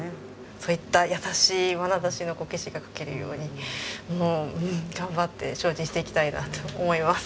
そういった優しいまなざしのこけしが描けるようにもう頑張って精進していきたいなと思います。